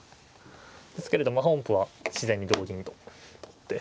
ですけれど本譜は自然に同銀と取って。